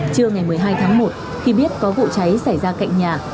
trưa ngày một mươi hai tháng một khi biết có vụ cháy xảy ra cạnh nhà